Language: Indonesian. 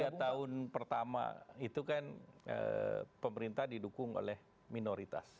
tiga tahun pertama itu kan pemerintah didukung oleh minoritas